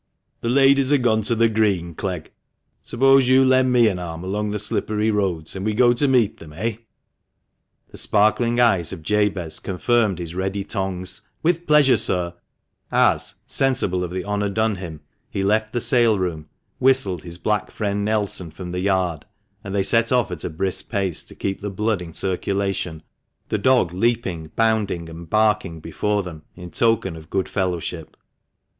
"The ladies are gone to the Green, Clegg. Suppose you lend me an arm along the slippery roads, and we go to meet them, eh?" The sparkling eyes of Jabez confirmed his ready tongue's "With pleasure, sir," as, sensible of the honour done him, he left the sale room, whistled his black friend Nelson from the yard, and they set off at a brisk pace, to keep the blood in circulation, the dog leaping, bounding, and barking before them, in token of good fellowship.